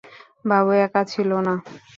বাবু একা ছিলো না।